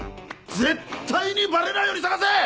絶対にバレないように捜せ！